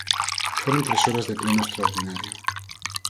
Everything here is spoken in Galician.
Foron tres horas de pleno extraordinario.